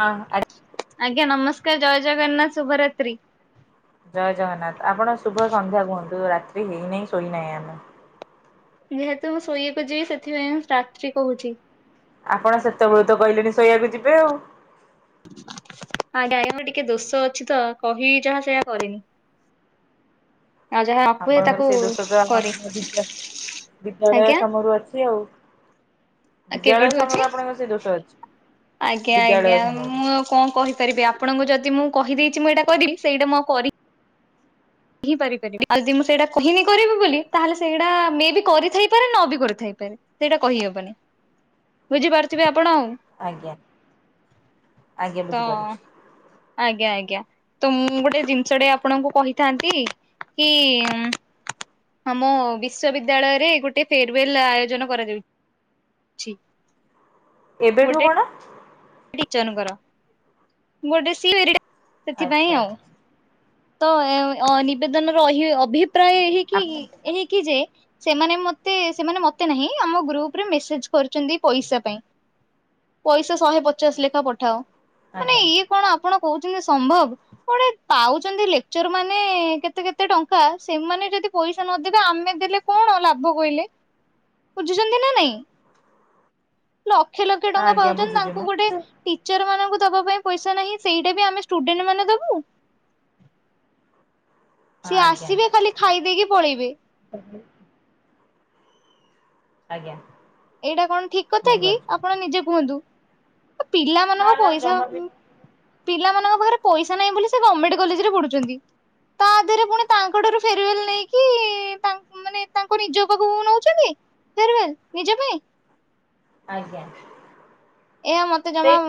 ହଁ ଆ- ଆଜ୍ଞା, ନମସ୍କାର, ଜୟ ଜଗନ୍ନାଥ, ଶୁଭରାତ୍ରୀ। ଜୟ ଜଗନ୍ନାଥ, ଆପଣ ଶୁଭ ସନ୍ଧ୍ୟା କୁହନ୍ତୁ ରାତ୍ରି ହେଇନାହିଁ, ଶୋଇନାହିଁ ଆମେ ଯେହେତୁ ମୁଁ ଶୋଇକୁ ଯିବି, ସେଥିପାଇଁ ରାତ୍ରି କହୁଛି! ଆପଣ ସେତେବେଳେ ତ କହିଲେଣି ଶୋଇବାକୁ ଯିବେ ଆଉ ଆଜ୍ଞା, ଟିକେ ଦୋଷ ଅଛି ତ, କହି ଯାହା ସେୟା କରିନି ଆପଣଙ୍କ ସେଇ ଦୋଷଟା କରେ ମାନବିକ ଆଜ୍ଞା। ବିଦ୍ୟାଳୟ ସମୟରୁ ଅଛି ଆଉ! ଆ ବିଦ୍ୟାଳୟ କେବେଠୁ ଅଛି? ସମୟରୁ ଆପଣଙ୍କର ସେ ଦୋଷ ଅଛି ଆଜ୍ଞା, ଆଜ୍ଞା, ବିଦ୍ୟାଳୟ ସମୟରୁ। ମୁଁ ଆଉ କଣ କହିପାରିବି ଆପଣଙ୍କୁ ଯଦି ମୁଁ- କହିଦେଇଛି ମୁଁ ଏଇଟା କରିବି ସେଇଟା ମୁଁ ଆଉ କରିି- କହିପାରପାରିବିନି ଆ ଯଦି ମୁଁ ସେଇଟା କହିନି କରିବି ବୋଲି ତାହେଲେ ସେଇଟା ମେ ବି କରିଥାଇପାରେ ନ ବି କରିଥାଇ ପା- ରେ ସେଇଟା କହିହବନି, ବୁଝିପାରୁଥିବେ ଆପ- ଆପଣ, ଆଉ ଆଜ୍ଞା ଆଜ୍ଞା ତ ବୁଝିପାରୁଛି ଆଜ୍ଞା ଆ- ଆଜ୍ଞା ତ ମୁଁ ଗୋଟେ ଜିନିଷ ଟେ ଆପଣଙ୍କୁ କହି- ଆମ ବିଶ୍ଵବିଦ୍ୟାଳୟରେ ଗୋଟେ ଫେରୱେଲ ଆୟୋଜନ କରାଯାଉ- ଛି ଏବେଠୁ କଣ? ଟିଚରଙ୍କର ଗୋଟେ [inaudible] ସେଥିପାଇଁ ଆଚ୍ଛା ଆଉ ତ ନିବେଦନ ରହି-ଅଭିପ୍ରାୟ ଆପଣ ଏହିକି-ଏହିକି ଯେ ସେମାନେ ମତେ, ସେମାନେ ମତେ ନାହିଁ, ଆମ ଗ୍ରୁପରେ ମେସେଜ କରିଛନ୍ତି ପଇସା ପାଇଁ। ପଇସା ଶହେ ପଚାଶ ଲେଖା ପଠାଅ, ମାନେ ଆଜ୍ଞା ଇଏ କଣ ଆପଣ କହୁଛନ୍ତି ସମ୍ଭବ କୁଆଡେ ପାଉଛନ୍ତି ଲେକଚର୍ ମାନେ କେତେ କେତେ ଟଙ୍କା ସେମାନେ- ଯଦି ପଇସା ନଦେବେ ଆମେ ଦେଲେ କଣ ଲାଭ କହିଲେ, ବୁଝୁଛନ୍ତି ନା ନାଇଁ [inaudible] ଲକ୍ଷେ ଲକ୍ଷେ ଟଙ୍କା ଆଜ୍ଞା ପାଉଛନ୍ତି ବୁଝୁଛି ମୁଁ ତାଙ୍କୁ ଗୋଟେ ଟିଚର ମାନଙ୍କୁ ଦବା ପାଇଁ ପଇସା ନାହିଁ ସେଇଟା ବି ଆମେ ଷ୍ଟୁଡେଣ୍ଟ ମାନେ ଦବୁ। [inaudible] ସିଏ ଆଜ୍ଞା। ଆସିବେ ଖାଲି ଖାଇ ଦେଇକି ପଳେଇବେ। ଆଜ୍ଞା। ଏଇଟା କଣ ଠିକ କଥା କି? ବୁଝିପାରୁଛି ଆପଣ ନିଜେ କୁହନ୍ତୁ ନା ପିଲାମାନଙ୍କ ନା ପଇସା! ଜମା ବି ପିଲାମାନଙ୍କ ପାଖରେ ପଇସା ନାହିଁ ବୋଲି, ସେ ଗମେଣ୍ଟ କଲେଜରେ ପଢୁଛନ୍ତି! ତା ଦେହରେ ପୁଣି ତାଙ୍କ ଠାରୁ ଫେରୱଲ ନେଇକି ତାଙ୍କୁ-ମାନେ ତାଙ୍କୁ ନିଜ ପାଖକୁ ନଉଛନ୍ତି। ଫେରୱଲ ନିଜ ପାଇଁ ଆଜ୍ଞା। ଏ ମତେ ଜମା ସେଇ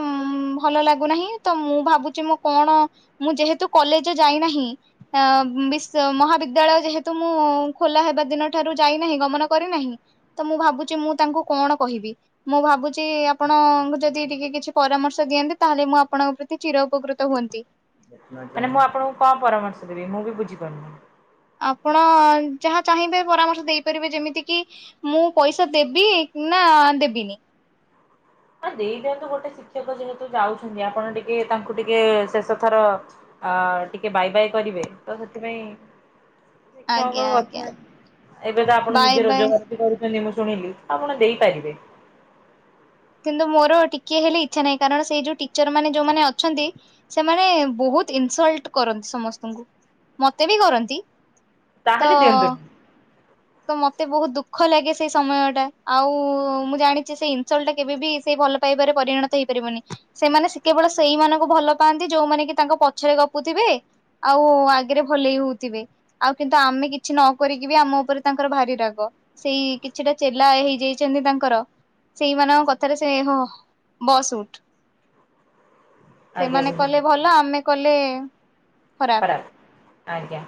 ଭଲ ଲାଗୁନାହିଁ, ତ ମୁଁ ଭାବୁଛି ମୁ କଣ, ମୁଁ ଯେହେତୁ କଲେଜ ଯାଇନାହିଁ ମହାବିଦ୍ୟାଳୟ ଯେହେତୁ ମୁଁ ଖୋଲା ହେବା ଦିନ ଠା ରୁ ଯାଇନାହିଁ, ଗମନ କରି ନାହିଁ ତ ମୁ ଭାବୁଛି ମୁଁ ତାଙ୍କୁ କଣ କହିବି, ମୁଁ ଭାବୁଛି ଆପଣଙ୍କୁ ଯଦି ଟିକେ କିଛି ପରାମର୍ଶ ଦିଅନ୍ତେ, ତାହେଲେ ମୁଁ ଆପଣଙ୍କ ପ୍ରତି ଚିର ଉପକୃତ ହୁଅନ୍ତି ମାନେ ମୁଁ ଆପଣଙ୍କୁ କଣ ପରାମର୍ଶ ଦେବି ମୁଁ ବି ବୁଝିପାରୁନି। ଆପଣ ଯାହା ଚାହିଁବେ ପରାମର୍ଶ ଦେଇପାରିବେ। ଯେମିତି କିି ମୁଁ ପଇସା ଦେବି ନା ନା ଦେବିିନି। ହ ହେ ଦେଇ ଦିଅନ୍ତୁ, ଗୋଟେ ଶିକ୍ଷକ ଯେହେତୁ ଯାଉଛନ୍ତି ଆପଣ ଟିକେ ତାଙ୍କୁ ଟିକେ ଶେଷ ଥର ଅ, ଟିକେ ବାଏ ବାଏ କରିବେ ତ ସେଥିପାଇଁ ଶିକକ୍ଷ ଆଜ୍ଞା ଆଜ୍ଞା କଥା ଏବେ ତ ଆପଣ ବାଏ ନିଜେ ବାଏ ରୋଜଗାର ବି କରୁ ଛନ୍ତି ମୁଁ ଶୁଣିଲି ଆପଣ ଦେଇପାରିବେ। କିନ୍ତୁ ମୋର ଟିକେ ହେଲେ ଇଚ୍ଛା ନାହିଁ କାରଣ ସେଇ ଯୋଉ ଟିଚର ମାନେ ଯୋଉମାନେ ଅଛନ୍ତି ସେମାନେ ବହୁ ବହୁତ ଇନସଲ୍ଟ କରନ୍ତି, ସମସ୍ତଙ୍କୁ ମୋତେ ବି କରନ୍ତି। ତ ତାହେଲେ ଦିଅନ୍ତୁନି। ତ ମୋତେ ବହୁତ ଦୁଃଖ ଲାଗେ ସେଇ ସମୟ ଟା। ଆଉ ମୁଁ ଜାଣିଚି ସେଇ ଇନସଲ୍ଟ ଟା କେବେ ବି ସେ ଭଲ ପାଇବାରେ ପରିଣତ ହେଇପାରିବନି। ସେମାନେ ସେ କେବଳ ସେଇମାନଙ୍କୁ ଭଲ ପାଆନ୍ତି ଯୋଉମାନେ କି ତାଙ୍କ ପଛରେ ଗପୁ ଥିବେ, ଆଉ ଆଗରେ ଭଲେଇ ହଉଥିବେ। ଆଉ କିନ୍ତୁ ଆମେ କିଛି ନ କରିକି ବି ଆମ ଉପରେ ତାଙ୍କର ଭାରି ରାଗ। ସେଇ କିଛିଟା ଚେଲା ହେଇଯାଇଛନ୍ତି ତାଙ୍କର ସେଇମାନଙ୍କ କଥାରେ ସେ ହଁ ବସ୍ ଉଠ୍। ଆଜ୍ଞା ସେମାନେ ବୁଝିଲି କଲେ ଭଲ। ଆମେ କଲେ ଖରାପ ଖରାପ ଆଜ୍ଞା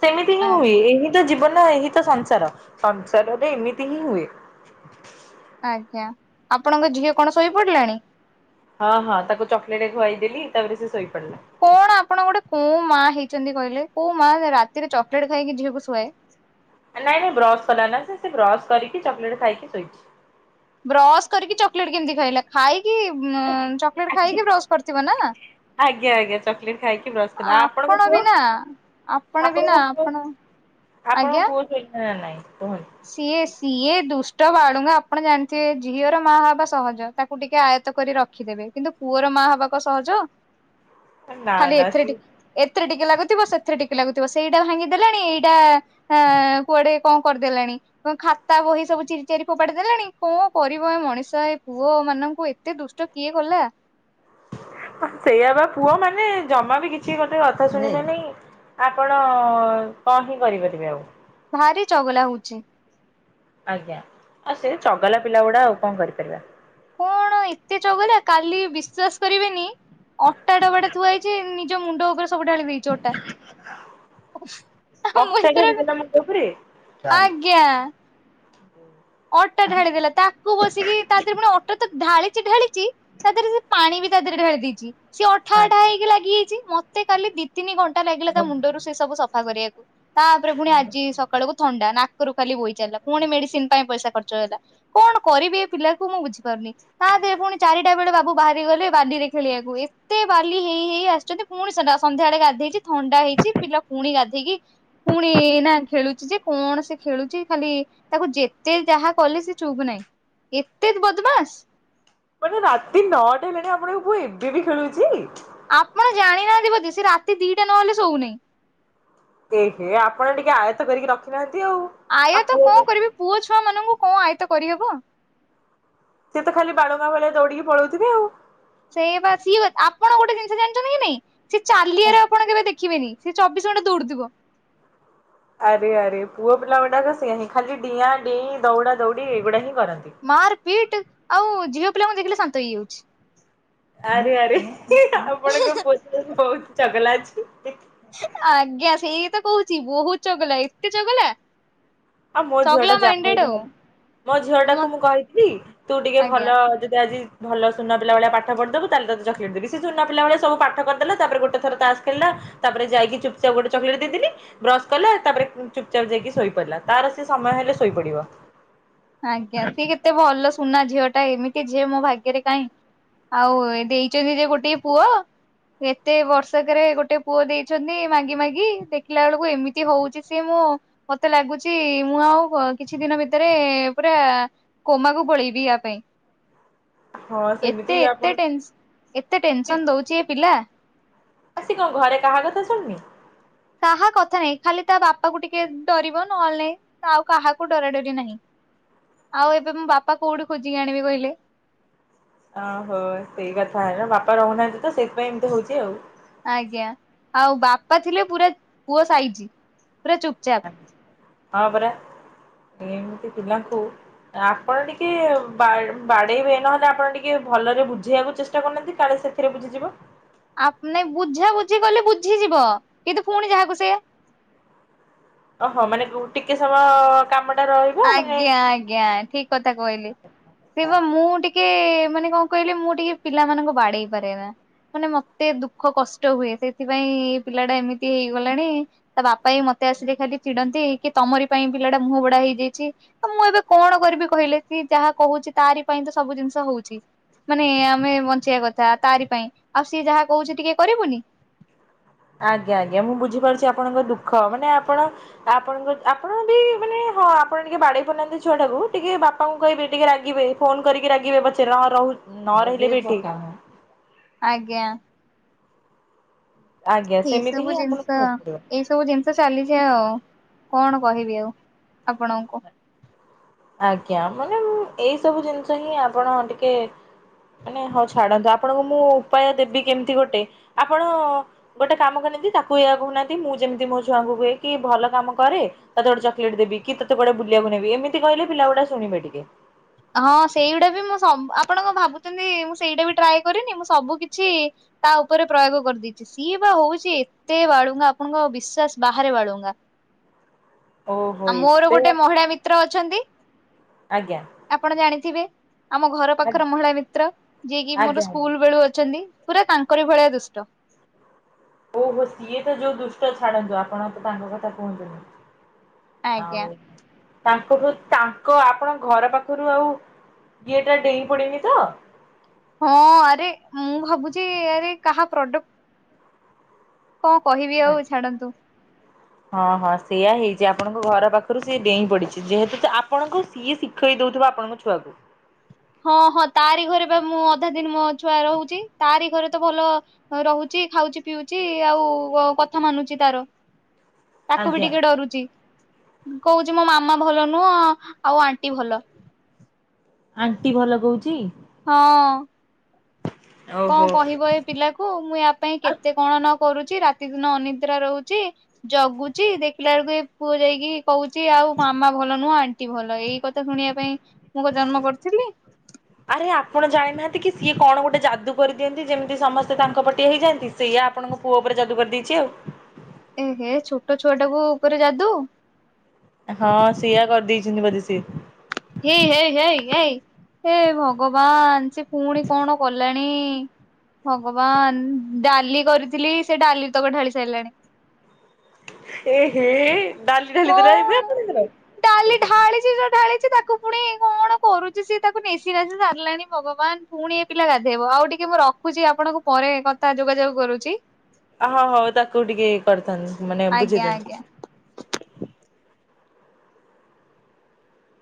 ସେମିତି ହିଁ ହୁଏ। ଆଜ୍ଞା ଏହି ତ ଜୀବନ ନା ଏହି ତ ସଂସାର, ସଂସାରରେ ଏମିତି ହିଁ ହୁଏ। ଆଜ୍ଞା ଆପଣଙ୍କ ଝିଅ କଣ ଶୋଇପଡିଲାଣି? ହଁ, ହଁ ତାକୁ ଚକୋଲେଟ୍ ଖୁଆଇଦେଲି ତାପରେ ସେ ଶୋଇପଡିଲା। କଣ ଆପଣ ଗୋଟେ କୋଉ ମା ହେଇଛନ୍ତି କହିଲେ କୋଉ ମା ରାତିରେ ଚକୋଲେଟ୍ ଖାଇକି ଝିଅକୁ ଶୁଆଏ? ଏ ନାଇଁ ନାଇଁ ବ୍ରସ୍ କଲା ନା ସେ, ସେ ବ୍ରସ କରିକି ଚକୋଲେଟ୍ ଖାଇକି ଶୋଇଛି। ବ୍ରସ୍ କରିକି ଚକୋଲେଟ୍ କେମିତି ଖାଇଲା? ଖାଇ ଏ ଅଁ, ଚକୋଲେଟ୍ ଖାଇକି ବ୍ରସ୍ କରିଥିବ ନା? ଆଜ୍ଞା, ଆଜ୍ଞା, ଚକୋଲେଟ ଖାଇକି ବ୍ରସ୍ କଲା। ଆପଣ ଆପଣଙ୍କ ବି ପୁଅ? ନା ଆପଣ ବି ନା ଆପଣଙ୍କ ପୁଅ ଆପଣ ଆପଣଙ୍କ ଆଜ୍ଞା ପୁଅ ଶୋଇଛି ନା ନାଇଁ? କୁହନ୍ତୁ ସିଏ ସିଏ ଦୁଷ୍ ଟ ବାଳୁଙ୍ଗା ଆପଣ ଜାଣିଥିବେ ଝିଅର ମା ହବା ସହଜ, ତାକୁ ଟିକେ ଆୟତ୍ତ କରି ରଖିଦେବେ। କିନ୍ତୁ ପୁଅର ମା ମା ହବା କ ସହଜ? ହଁ ଖାଲି ଏଥିରେ ଟିକ, ଏଥିରେ ଟିକ ଟିକେ ଲାଗୁଥିବ ସେଥିରେ ଟିକେ ଲାଗୁଥିବ, ସେଇଟା ଭାଙ୍ଗି ଦେଲାଣି, ଏଇଟା ଆ, କୁଆଡେ କଣ କର ଦେଲାଣି, କଣ ଖାତା ବହି ସବୁ ଚିରି ଚାରି ଫୋପାଡି ଦେଲାଣି। କଣ କରିବ ଏ ମଣିଷ ଏ ପୁଅ ମାନଙ୍କୁ କୁ ଏତେ ଦୁଷ୍ଟ କିଏ କଲା? ହଁ ସେଇଆ ବା ପୁଅ ମାନେ ଜମା ବି କିଛି ଗୋଟେ କଥା ଶୁଣିବେ ନାଇଁ। ଆପଣ କଣ ହିଁ କରିପାରିବେ ଆଉ? ଭାରି ଚଗଲା ହଉଛି। ଆଜ୍ଞା ଆଉ ସେ ଚଗଲା ପିଲା ଗୁଡା ଆଉ କଣ କରିପାରିବା। କଣ ଏତେ ଚଗଲା କାଲି ବିଶ୍ଵାସ କରିବେନି ଅଟା ଡବାଟା ଥୁଆ ହେଇଛି ଉଁ, ନି ନିଜ ମୁଣ୍ଡ ଉପରେ ସବୁ ଡାଳି ଦେଇଛି ଅଟା। ଅଟା ଢାଳିଦେଲା [unintelligible] ମୁଣ୍ଡ ଉପରେ ଆଜ୍ଞା। ଅଟା ଢାଳି ଦେଲା। ତାକୁ ବସିକି ତା ଦିହରେ ପୁଣି ଅଟା ତ ଢାଳି ଚି ଢାଳିଚି ତା ଦେହରେ ସେ ପାଣି ବି ତା ଦେହରେ ଢାଳି ଦେଇଚି। ସିଏ ଅଠା ଅଠା ହେଇକି ଲାଗିଯାଇଚି। ମୋତେ କାଲି ଦି ତିନି ଘଣ୍ଟା ଲାଗିଲା ତା ମୁଣ୍ଡରୁ ମାନେ ସେ ସବୁ ସଫା କରିବାକୁ। ତାପରେ ପୁଣି ଆଜି ସକାଳକୁୁ ଥଣ୍ଡା। ନାକରୁ ଖାଲି ବହିଚାଲିଲା। ପୁଣି ମେଡିସିନ୍ ପଇସା ଖର୍ଚ୍ଚ ହେଲା। କଣ କରିବି ଏ ପିଲାକୁ ମୁଁ ବୁଝିପାରୁନି। ତା ଦେହରେ ପୁଣି ଚାରିଟା ବେଳେ ବାବୁ ବାହାରି ଗଲେ ବାଲି ରେ ଖେଳିବାକୁ ଏତେ ବାଲି ହେଇ ହେଇ ଆସିଛନ୍ତି। ପୁଣି ସେଟା ସନ୍ଧ୍ୟାବେଳେ ଗାଧେଇଚି। ଥଣ୍ଡା ହେଇଚି। ପିଲା ପୁଣି ଗାଧେଇକି ପୁଣି ଏଇନା ଖେଳୁଚି ଯେ, କଣ ସେ ଖେଳୁଚି ଖାଲି ତାକୁ ଯେ ଯେତେ ଯାହା କଲେ ସେ ଚୁପ୍ ନାହିଁ। ଏତେ ବଦମାସ। ମାନେ ରାତି ନଅଟା ହେଲାଣି। ଆପଣଙ୍କ ପୁଅ ଏବେ ବି ଖେଳୁଛି? ଆପଣ ଜାଣିନାହାନ୍ତି ବୋଧେ, ସେ ରାତି ଦିଟା ନହେଲେ, ଶୋଉନି। ଏହେ, ଆପଣ ଟିକେ ଆୟତ, କରିକି ରଖିନାହାନ୍ତି। ଆଉ। ଆ ଆୟତ ପୁଅ କଣ କରିବି? ପୁଅ ଛୁଆ ମାନଙ୍କୁ କଣ, ଆୟତ କରିହେବ? ସିଏ ତ ଖାଲି ବାଳୁଙ୍ଗା ଭଳିଆ, ଦୌଡିକି ପଳଉଥିବେ, ଆଉ। ସେଇ ବା ସିଏ। ଆପଣ ଗୋଟେ ଜିନିଷ ଜାଣିଛନ୍ତି କି, ନାଇଁ? ସେ ଚାଲିଆରେ ଆପଣ କେବେ, ଦେଖ ଦେଖିବେନି, ସେ ଚବିଶ ଘଣ୍ଟା ଦୌଡୁଥିବ। ଆରେ, ଆରେ। ପୁଅ ପିଲା ଗୁଡାକ ସେଇଆ ହିଁ। ଖାଲି ଡିଆଁ, ଡେଇଁ ଦୌଡା, ଦୌଡି ଏଇଗୁଡା ହିଁ। କରନ୍ତି। ମାର, ପିଟ ଆଉ ଝିଅ ପିଲାଙ୍କୁ ଦେଖିଲେ ଶାନ୍ତ ହେଇଯାଉଛି। ଆରେ, ଆରେ। ଆପଣଙ୍କ ପୁଅ ବହୁତ ଚଗଲା ଅଛି। ଆଜ୍ଞା, ସେଇ ତ କହୁଛି। ବହୁତ ଚଗଲା, ଏତେ ଚଗଲା। ଆଉ ମୋ ଝିଅ ଟା ଚଗଲା ଯାହା ମାଇଣ୍ଡେଡ ହଉ। ଆଉ ମୋ ଝିଅ ଟାକୁ ମୁଁ କହିଥିଲି। ତୁ ଟିକେ ଭଲ ଆଜ୍ଞା ଯଦି ଆଜି ଭଲ ସୁନା ପିଲା ଭଳିଆ ପାଠ ପଢିଦବୁ। ତାହେଲେ ତତେ ଚକିଲେଟ୍ ଦେବି। ସେ ସୁନା ପିଲା ଭଳିଆ, ସବୁ ପାଠ କରିଦେଲା। ତାପରେ ଗୋଟେ ଥର ତାସ୍ ଖେଳିଲା ତା ପରେ ଯାଇକି ଚୁପ, ଚାପ ଗୋଟେ ଚକେଲେଟ୍ ଦେଇଦେଲି। ବ୍ରସ୍ କଲା ତାପରେ ଚୁପ, ଚାପ ଯାଇକି ଶୋଇ ପଡ଼ିଲା। ତାର, ସେ ସମୟ ହେଲେ ଶୋଇପଡିବ। ଆଜ୍ଞା ସିଏ କେତେ ଭଲ ସୁନା ଝିଅ ଟା। ଏମିତି ଝିଅ ମୋ ଭାଗ୍ୟରେ କାହିଁ। ଆଉ ଦେଇଛନ୍ତି ଯେ ଗୋଟିଏ ପୁଅ- ଏତେ ବର୍ଷକରେ, ଗୋଟେ ପୁଅ ଦେଇଛନ୍ତି। ମାଗି, ମାଗି ଦେଖିଲା ବେଳକୁ ଏମିତି ହଉଛି ସିଏ, ମୁଁ ମୁଁ, ମତେ ଲାଗୁଛି, ମୁଁ ଆଉ କିଛି ଦିନ ଭିତରେ ପୁରା କୋମାକୁ ପଳେଇବି, ୟା ପାଇଁ। ହଁ ସେମିତି ଏତେ, ଆପଣ ଏତେ ଟେନସ୍, ଏତେ ଟେନସନ ଦଉଛି ଏ ପିଲା। ଆସି କଣ, ଘରେ କାହା କଥା ଶୁଣୁନି? କାହା କଥା ନାହିଁ। ଖାଲି ତା ବାପା କୁ ଟିକେ ଡରିବ, ନହଲେ ନାଇଁ। ଆଉ କାହାକୁ ଡରା, ଡରି ନାହିଁ। ଆଉ' ଏବେ ମୁଁ, ବାପା କୋଉଠି ଖୋଜିକି ଆଣିବି କହିଲେ? ଓହୋ ସେଇ କଥା। ବାପା ରହୁନାହାନ୍ତି ତ ସେଇଥିପାଇଁ, ଏମତି ହଉଛି ଆଉ। ଆଜ୍ଞା। ଆଉ ବାପା ଥିଲେ ପୁରା ପୁଅ ସାଇଜି, ପୁରା ଚୁପ ଚାପ। ହଁ, ପରା। ଏମିତି ପିଲାଙ୍କୁ ଆପଣ ଟିକେ ବାଡ଼େ, ବାଡେଇବେ ନହେଲେ ଆପଣ ଟିକେ ଭଲରେ ବୁଝେଇବାକୁ ଚେଷ୍ଟା କରୁନାହାନ୍ତି। କାଳେ ସେଥିରେ, ବୁଝିଯିବ। ଆପ ନେ ବୁଝା, ବୁଝି କଲେ ବୁଝିଯିବ। କିନ୍ତୁ ପୁଣି ଯାହାକୁ ସେୟା। ଓ, ହୋ। ମାନେ, ରୁ ଟିକେ ସମୟ କାମ ଆଜ୍ଞା, ଆଜ୍ଞା। ଠିକ କଥା କହିଲି। ସେ ବା ମୁଁ ଟିକେ ଟିକେ, ମାନେ କଣ କହିଲେ। ମୁଁ ଟିକେ ପିଲାମାନାନଙ୍କୁ, ବାଡେଇ ପାରେ ନା। ମାନେ ମତେ ଦୁଃଖ କଷ୍ଟ ହୁଏ। ସେଥିପାଇଁ, ଏ ପିଲା ଟା ଏମିତି ହେଇଗଲାଣି। ତା ବାପା ବି ମତେ ମତେ ଆସିଲେ ଖାଲି ଚିଡନ୍ତି। କି ତମରି ପାଇଁ ପିଲା ମୁହ ବଡା ହେଇଯାଇ ଛି। ମୁଁ ଏବେ କଣ, କରିବି କହିଲେ? ସେ ଯାହା କହୁଛି, ତାରି ପାଇଁ ତ ସବୁ ଜିନିଷ ହଉଛି। ମାନେ, ଆମେ ବଞ୍ଚେଇବା କଥା ତାରି ପାଇଁ। ଆଉ ସିଏ ଯାହା କହୁଛି ଟିକେ କରିବୁନି। ଆଜ୍ଞା ଆଜ୍ଞା। ମୁଁ ବୁଝିପାରୁଛି ଆପଣଙ୍କ ଦୁଃଖ ମାନେ ଆପଣ ଆପଣଙ୍କ ଆପଣ ବି ମାନେ ହଁ, ଆପଣ ଟିକେ ବାଡେଇ ପାରୁନାହାନ୍ତି, ଛୁଆ ଟାକୁ। ଟିକେ ବାପାଙ୍କୁ କହିବେ ଟିକେ ରାଗିବେ ଫୋନ କରିକି ରାଗିବେ। ପଚାର ହଁ ରହୁ ନ ରହିଲେ ବି ଠିକ୍। ଆଜ୍ଞା। ଆଜ୍ଞା ଏଇ ସେମିତି ସବୁ ହିଁ ଜିନିଷ, ଆପଣଙ୍କୁ ପଡିବ ଏଇ ସବୁ ଜିନିଷ ଚାଲି ଛି ଆଉ। କଣ, କହିବି ଆଉ ଆପଣଙ୍କୁ? ଆଜ୍ଞା। ମାନେ ଏଇ ସବୁ ଜିନିଷ ହିଁ ଆପଣ ଟିକେ ମାନେ, ହଉ ଛାଡନ୍ତୁ। ଆପଣଙ୍କୁ ମୁଁ ଉପାୟ ଦେବି, କେମିତି ଗୋଟେ, ଆପଣ ଗୋଟେ କାମ କଲେ ତାକୁ ଏୟା କହୁନାହାନ୍ତି। ମୁଁ ଯେମିତି ମୋ ଛୁଆଙ୍କୁ କୁହେ, କି ଭଲ କାମ କରେ, ତୋତେ ଗୋଟେ ଚକୋଲେଟ୍ ଦେବି। କି ତତେ ଗୋଟେ ବୁଲିବାକୁ ନେବି। ଏମିତି କହିଲେ ପିଲା ଗୁଡା ଶୁଣିବେ ଟିକେ। ହଁ ସେଇଗୁଡା ବି, ମୁଁ ସବୁ ଆପଣ କଣ ଭାବୁଛନ୍ତି, ମୁଁ ସେଇଟା ବି ଟ୍ରାଏ କରିନି, ମୁଁ ସବୁ କିଛି ତା ଉପରେ ପ୍ରୟୋଗ କରିଦେଇଛି। ସିଏ ବା ହଉଛି ଏତେ ବାଳୁଙ୍ଗା, ଆପଣଙ୍କ ବିଶ୍ଵାସ ବାହାରେ ବାଳୁଙ୍ଗା। ହ [inaudible] ଆ ମୋର ଗୋଟେ ମହିଳା ମିତ୍ର ଅଛନ୍ତି ଆଜ୍ଞା ଆପଣ ଜାଣିଥିବେ? ଆମ ଘର ଆଜ୍ଞା ପାଖରେ ମହିଳା ମିତ୍ର ଯିଏକି ଆଜ୍ଞା। ମୋର ସ୍କୁଲ ବେଳୁ ଅଛନ୍ତି। ପୁରା ତାଙ୍କରି ଭଳିଆ ଦୁଷ୍ଟ ଓହୋ ସିଏ ତ ଯୋଉ ଦୁଷ୍ଟ ଛାଡନ୍ତୁ ଆପଣ ତ ତାଙ୍କ କଥା କୁହନ୍ତୁନି। ଆଜ୍ଞା ଆଉ ତାଙ୍କଠୁ ତାଙ୍କ ଆପଣ ଘର ପାଖରୁ ଆଉ ଇଏଟା ଡେଇଁ ପଡ଼ିନି ତ? ହଁ ଆରେ ମୁଁ ଭାବୁଛି ଆରେ କାହା ପ୍ରଡକ୍ଟ? କଣ କହିବି ଆଉ ଛାଡ଼ନ୍ତୁ। ହଁ ହଁ ସେଇୟା ହେଇଛି ଆପଣଙ୍କ ଘର ପାଖରୁ ସିଏ ଡେଇଁ ପଡିଛି ଯେହେତୁ ତ ଆପଣଙ୍କୁ ସିଏ ଶିଖେଇ ଦେଉଥିବା ଆପଣଙ୍କ ଛୁଆକୁ ହଁ ହଁ ତାରି ଘରେ ବା ମୁଁ ଅଧା ଦିନ ମୋ ଛୁଆ ରହୁଛି। ତାରି ଘରେ ତ ଭଲ ରହୁଛି। ଚି ଖାଉଛି ପିଉଛି ଆଉ ଅ କଥା ମାନୁଛି ତାର ତାକୁ ବି ଆଜ୍ଞା ଟିକେ ଡରୁଛି। କହୁଛି ମୋ ମାମା ଭଲ ନୁହଁ ଆଉ ଆଣ୍ଟି ଭଲ। ଆଣ୍ଟି ଭଲ କହୁଛି? ହଁ। କଣ ଓହୋ କହିବ ଏ ପିଲାକୁ ମୁଁ ୟା ପାଇଁ କେତେ କଣ ନ କରୁଛି ରାତି ଦିନ ଅନିଦ୍ରା ରହୁଛି ଜଗୁଛି ଦେଖିଲା ବେଳକୁ ଏ ପୁଅ ଯାଇକି କହୁଛି ଆଉ ମାମା ଭଲ ନୁହଁ ଆଣ୍ଟି ଭଲ ଏଇ କଥା ଶୁଣିବା ପାଇଁ କଣ ଜନ୍ମ କରିଥିଲି ଆରେ ଆପଣ ଜାଣିନାହାନ୍ତି କି ସିଏ କଣ ଗୋଟେ ଯାଦୁ କରିଦିଅନ୍ତି। ଯେମିତି ସମସ୍ତେ ତାଙ୍କ ପଟିଆ ହେଇଯାଆନ୍ତି। ସେଇୟା ଆପଣଙ୍କ ପୁଅ ଉପରେ ଯାଦୁ କରିଦେଇଛି ଆଉ। [unintelligible] ଏହେ ଛୋଟ ଛୁଆ ଟାକୁ ଉପରେ ଯାଦୁ ହଁ ସେୟା କରି ଦେଇଛନ୍ତି ବଧେ ସେ ହେଇ ହେଇ ହେଇ ହେଇ ହେ ଭଗବାନ ସେ ପୁଣି କଣ କଲାଣି? ଭଗବାନ ଡାଲି କରିଥିଲି ସେ ଡାଲି ତକ ଢାଳି ସାରିଲାଣି। ହ। ଏହେ ଡାଲି ଢାଲି ଦେଲା କଣ ଏବେ ଆପଣଙ୍କର? ସେ ତାକୁ ପୁଣି କଣ କରୁଛି ସ ତାକୁ ନେସିି ନାସିି ସାରିଲାଣି ଭଗବାନ ପୁଣି ଏ ପିଲା ଗାଧେଇବ ଆଉ ଟିକେ ମୁଁ ରଖୁଛି ଆପଣଙ୍କୁ ପରେ କଥା ଯୋଗାଯୋଗ କରୁଛି? ହୋ ହଉ ତାକୁ ଟିକେ କରିଥାନ୍ତ ମାନେ ବୁଝେଇ ଆଜ୍ଞା ଆଜ୍ଞା। ଦିଅନ୍ତୁ।